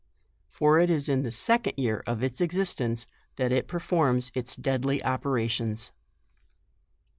(For it is in the second year of its existence that it performs its deadly ope rations.)